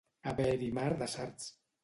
Haver-hi mar de sards.